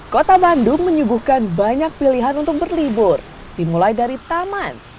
kota bandung menyuguhkan banyak pilihan untuk berlibur dimulai dari taman